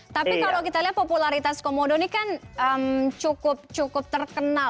tapi kalau kita lihat popularitas komodo ini kan cukup terkenal